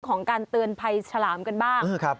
การเตือนภัยฉลามกันบ้าง